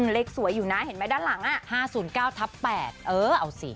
เลขสวยอยู่น่ะเห็นไหมด้านหลังอ่ะห้าศูนย์เก้าทับแปดเออเอาสิ